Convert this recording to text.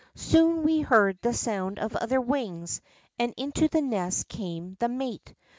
Soon we heard the sound of other wings and into the nest came the mate.